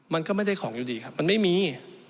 มันก็ไม่ได้ของอยู่ดีครับมันไม่มี